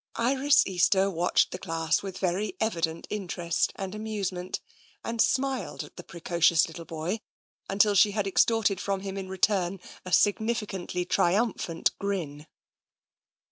Iris Easter watched the class with very evident in terest and amusement, and smiled at the precocious little boy until she had extorted from him in return a significantly triumphant grin.